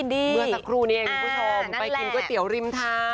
เมื่อสักครู่นี้เองคุณผู้ชมไปกินก๋วยเตี๋ยวริมทาง